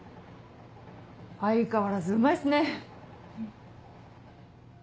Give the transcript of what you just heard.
相変わらずうまいっすね。